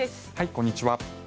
こんにちは。